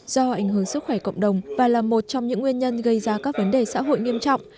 do ảnh hưởng sức khỏe cộng đồng và là một trong những nguyên nhân gây ra các vấn đề xã hội nghiêm trọng